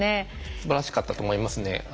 すばらしかったと思いますね。